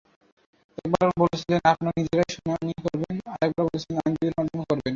একবার বলছেন, আপনারা নিজেরাই শুনানি করবেন, আরেকবার বলছেন আইনজীবীর মাধ্যমে করবেন।